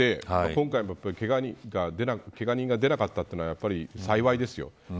今回もけが人が出なかったというのは幸いですよ。